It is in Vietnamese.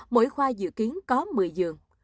mỗi khoa dự kiến có một mươi giường